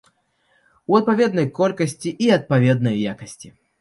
У адпаведнай колькасці і адпаведнай якасці.